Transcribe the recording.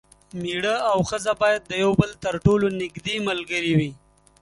میړه او ښځه باید د یو بل تر ټولو نږدې ملګري وي.